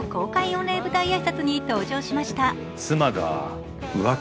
御礼舞台挨拶に登場しました。